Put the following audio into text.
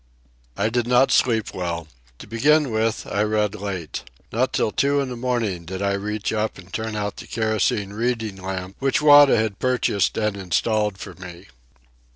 I did not sleep well. To begin with, I read late. Not till two in the morning did I reach up and turn out the kerosene reading lamp which Wada had purchased and installed for me.